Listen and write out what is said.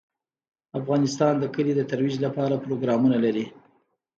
افغانستان د کلي د ترویج لپاره پروګرامونه لري.